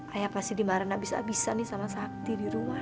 ayah pasti dimarahin abis abisan nih sama sakti di rumah